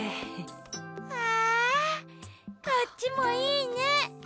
わこっちもいいね。